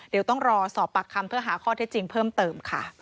เดี๋ยวต้องรอสอบปากคำเพื่อหาข้อเท็จจริงเพิ่มเติมค่ะ